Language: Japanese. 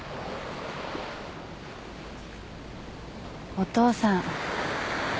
お父さん。